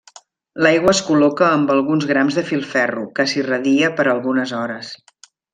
L'aigua es col·loca amb alguns grams de filferro, que s'irradia per algunes hores.